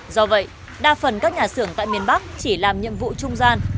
do vậy đa phần các nhà xưởng tại miền bắc chỉ làm nhiệm vụ trung gian